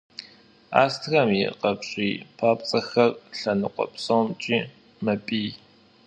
Астрэм и къапщӏий папцӏэхэр лъэныкъуэ псомкӏи мэпӏий.